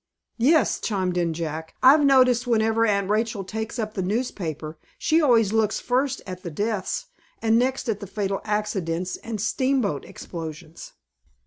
"Yes," chimed in Jack; "I've noticed whenever Aunt Rachel takes up the newspaper, she always looks first at the death's, and next at the fatal accidents and steamboat explosions."